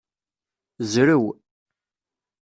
Zrew.